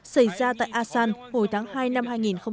xảy ra tại asan hồi tháng hai năm hai nghìn một mươi chín